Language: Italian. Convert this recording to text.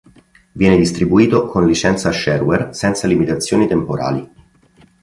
Viene distribuito con licenza shareware senza limitazioni temporali.